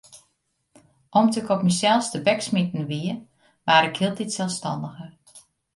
Om't ik op mysels tebeksmiten wie, waard ik hieltyd selsstanniger.